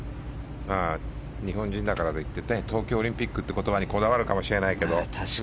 日本人だからといって東京オリンピックって言葉にこだわるかもしれないけど。